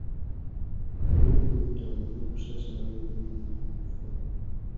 Waliwo obwetaavu bw'okusaasaanya amawulire g'okufa?